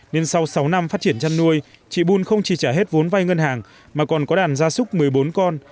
nên sau sáu năm phát triển chăn nuôi chị bun không chỉ trả hết vốn vay ngân hàng mà còn có đàn gia súc một mươi bốn con